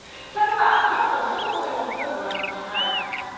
では、今の外の様子をご覧ください。